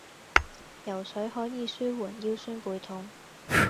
游水可以舒緩腰酸背痛